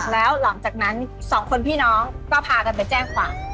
แล้วหลังจากนั้นสองคนพี่น้องก็พากันไปแจ้งความ